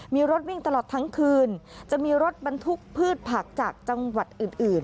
มีรถวิ่งตลอดทั้งคืนจะมีรถบรรทุกพืชผักจากจังหวัดอื่น